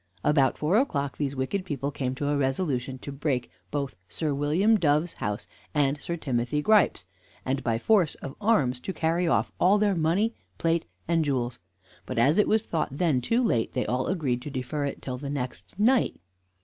About four o'clock these wicked people came to a resolution to break both Sir William Dove's house and Sir Timothy Gripe's, and by force of arms to carry off all their money, plate, and jewels; but as it was thought then too late, they all agreed to defer it till the next night.